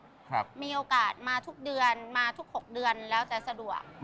ครับมีโอกาสมาทุกเดือนมาทุกหกเดือนแล้วจะสะดวก